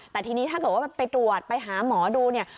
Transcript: แต่ทีนี้ถ้าเกิดว่าไปตรวจไปหาหมอดูเนี่ย